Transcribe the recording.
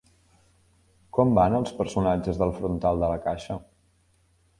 Com van els personatges del frontal de la caixa?